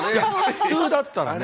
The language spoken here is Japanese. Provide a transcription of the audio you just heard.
普通だったらね